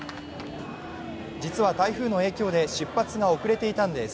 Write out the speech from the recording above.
実は台風の影響で出発が遅れていたんです。